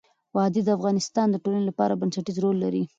وادي د افغانستان د ټولنې لپاره بنسټيز رول لري.